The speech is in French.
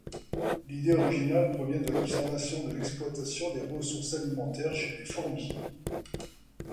L’idée originale provient de l’observation de l’exploitation des ressources alimentaires chez les fourmis.